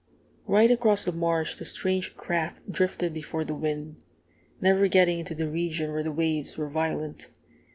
Right across the marsh the strange craft drifted before the wind, never getting into the region where the waves were violent.